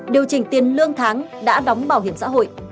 điều chỉnh tiền lương tháng đã đóng bảo hiểm xã hội